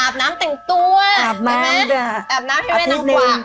อาบน้ำแต่งตัวอาบน้ำแค่แม่นางฝาก